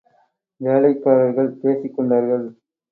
வேலைக்காரர்கள் பேசிக் கொண்டார்கள்.